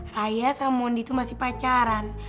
raya sama mondi tuh masih pacaran